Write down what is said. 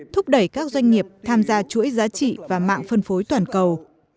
thúc đẩy các doanh nghiệp tham gia chuỗi giá trị và mạng phân phối toàn cầu